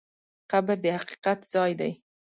قبر د حقیقت ځای دی.